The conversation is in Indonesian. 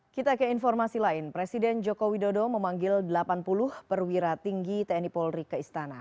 kita ke informasi lain presiden joko widodo memanggil delapan puluh perwira tinggi tni polri ke istana